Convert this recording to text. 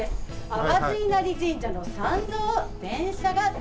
粟津稲生神社の参道を電車が通過を致します。